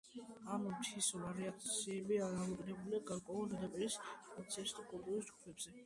ამ მითის ვარიაციები დამოკიდებულია გარკვეულ ზეპირსიტყვიერების ტრადიციებსა და კულტურულ ჯგუფებზე.